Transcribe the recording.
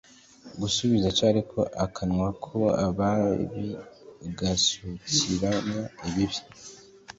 gusubiza c ariko akanwa k ababi gasukiranya ibibi